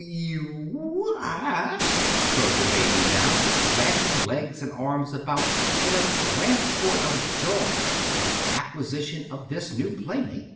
"Goo eee ooo yah!" crowed the baby now, thrashing legs and arms about in a transport of joy at the acquisition of this new playmate.